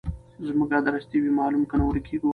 زموږ ادرس دي وي معلوم کنه ورکیږو